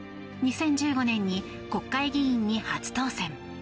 ２０１５年に国会議員に初当選。